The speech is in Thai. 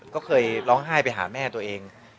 ก็เคยร้องไห้ไปหาแม่ตัวเอง